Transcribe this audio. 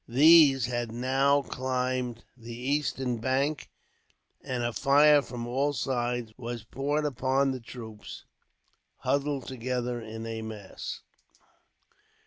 These had now climbed the eastern bank, and a fire from all sides was poured upon the troops, huddled together in a mass.